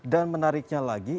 dan menariknya lagi